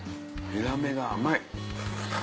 ヒラメが甘い。